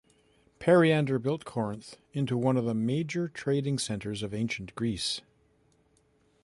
Periander built Corinth into one of the major trading centers in Ancient Greece.